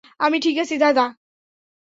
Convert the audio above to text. আমি ঠিক আছি, দাদা।